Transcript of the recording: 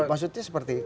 maksudnya seperti itu